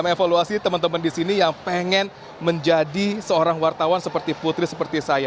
mengevaluasi teman teman di sini yang pengen menjadi seorang wartawan seperti putri seperti saya